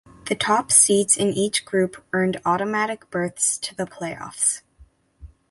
The top seeds in each group earned automatic berths to the playoffs.